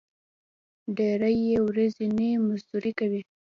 ډېری یې ورځنی مزدوري کوي.